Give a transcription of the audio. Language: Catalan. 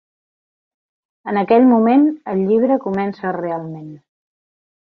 En aquell moment, el llibre comença realment.